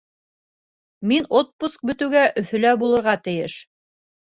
Мин отпуск бөтөүгә Өфөлә булырға тейеш.